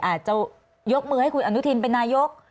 อาจจะยกมือให้คุณอนุทินเป็นนายก